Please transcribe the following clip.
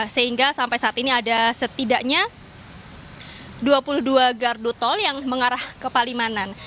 sehingga sampai saat ini ada setidaknya dua puluh dua gardu tol yang mengarah ke palimanan